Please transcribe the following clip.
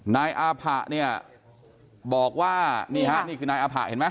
นายอาผะเนี่ยบอกว่านี่ฮะนี่คือนายอาผะเห็นไหม